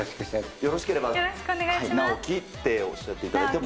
よろしければ直樹っておっしゃっていただいても。